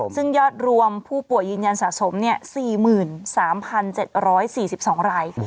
ซึ่งยอดรวมผู้ป่วยยืนยันสะสม๔๓๗๔๒ราย